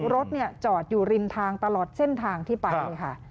รถจอดอยู่ริมทางตลอดเส้นทางที่ไปเลยค่ะ